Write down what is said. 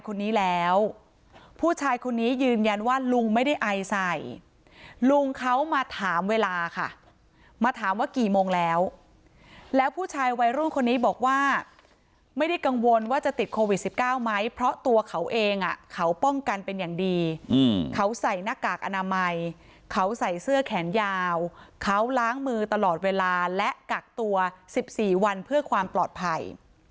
คนนี้แล้วผู้ชายคนนี้ยืนยันว่าลุงไม่ได้ไอใส่ลุงเขามาถามเวลาค่ะมาถามว่ากี่โมงแล้วแล้วผู้ชายวัยรุ่นคนนี้บอกว่าไม่ได้กังวลว่าจะติดโควิด๑๙ไหมเพราะตัวเขาเองเขาป้องกันเป็นอย่างดีเขาใส่หน้ากากอนามัยเขาใส่เสื้อแขนยาวเขาล้างมือตลอดเวลาและกักตัว๑๔วันเพื่อความปลอดภัย